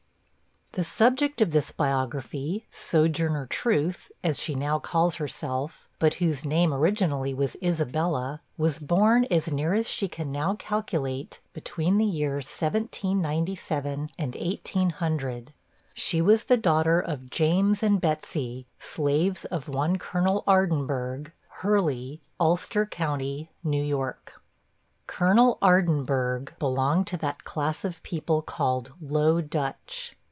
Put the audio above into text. THE subject of this biography, SOJOURNER TRUTH, as she now calls herself but whose name, originally, was Isabella was born, as near as she can now calculate, between the years 1797 and 1800. She was the daughter of James and Betsey, slaves of one Colonel Ardinburgh, Hurley, Ulster County, New York. Colonel Ardinburgh belonged to that class of people called Low Dutch.